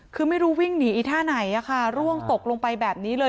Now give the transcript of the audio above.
คือไม่รู้วิ่งหนีอีท่าไหนร่วงตกลงไปแบบนี้เลย